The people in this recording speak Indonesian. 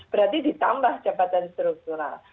berarti ditambah jabatan struktural